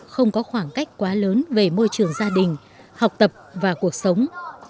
không có khoảng cách quá lớn về môi trường gia đình học tập và cuộc sống